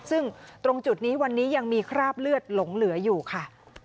ซึ่งตรงจุดนี้วันนี้ยังมีคราบเลือดหลงเหลืออยู่ค่ะ